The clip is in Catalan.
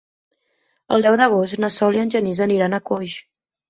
El deu d'agost na Sol i en Genís aniran a Coix.